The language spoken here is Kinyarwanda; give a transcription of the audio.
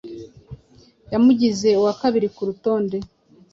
yamugize uwa kabiri ku rutonde